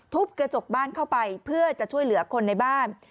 กระจกบ้านเข้าไปเพื่อจะช่วยเหลือคนในบ้าน